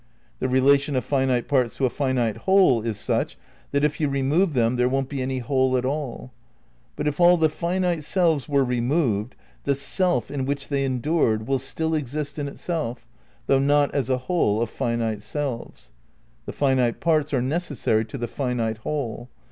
The relation of finite parts to a finite whole is such that if you remove them there won't be any whole at all. But if all the finite selves were removed, the Self in which they endured will still exist in itself, though not as a whole of finite selves. The finite parts are necessary to the finite whole.